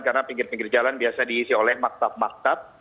karena pinggir pinggir jalan biasa diisi oleh maktab maktab